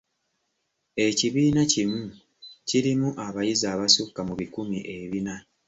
Ekibiina kimu kirimu abayizi abassukka mu bikumi ebina.